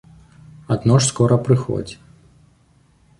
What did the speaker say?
Адно ж скора прыходзь.